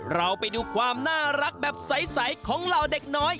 เราไปดูความน่ารักแบบใสของเหล่าเด็กน้อย